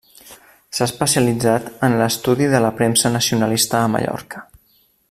S'ha especialitzat en l'estudi de la premsa nacionalista a Mallorca.